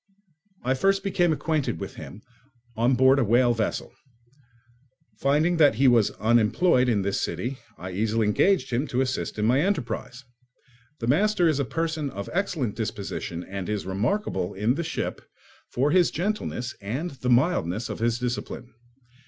I first became acquainted with him on board a whale vessel; finding that he was unemployed in this city, I easily engaged him to assist in my enterprise. The master is a person of an excellent disposition and is remarkable in the ship for his gentleness and the mildness of his discipline.